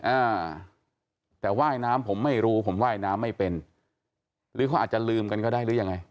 อ่าแต่ว่ายน้ำผมไม่รู้ผมว่ายน้ำไม่เป็นหรือเขาอาจจะลืมกันก็ได้หรือยังไง